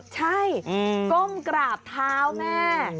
ใช่ก้มกราบเท้าแม่